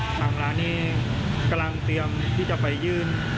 ทางร้านนี้กำลังเตรียมที่จะไปยื่น